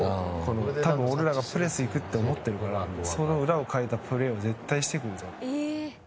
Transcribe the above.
多分、俺らがプレスに行くと思ってるからそこの裏をかいたプレーを絶対してくるぞと。